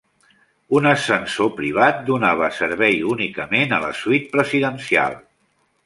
Un ascensor privat donava servei únicament a la suite presidencial.